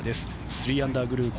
３アンダーグループ